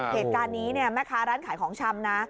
เหตุการณ์นี้เนี่ยแม่ค้าร้านขายของชำนะ